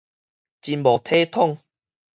真無體統